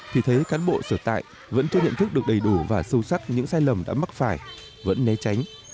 thì thấy cán bộ sở tại vẫn chưa nhận thức được đầy đủ và sâu sắc những sai lầm đã mắc phải vẫn né tránh